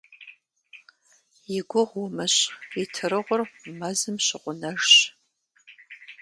И гугъу умыщӀ, итырыгъур мэзым щыгъунэжщ».